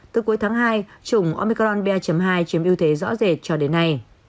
từ cuối tháng hai chủng omicron ba hai chiếm ưu thế rõ rệt cho đến nay